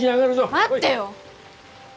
待ってよ！